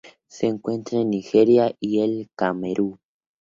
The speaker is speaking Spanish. Se encuentra en Nigeria y el Camerún.